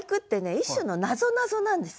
一種のなぞなぞなんですよ。